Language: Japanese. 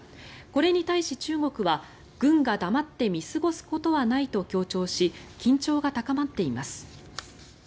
これに対し、中国は軍が黙って見過ごすことはないと強調し緊張が高まっています。